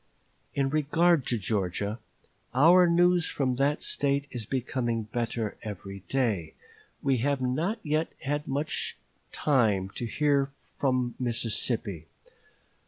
In regard to Georgia, our news from that State is becoming better every day; we have not yet had time to hear much from Mississippi.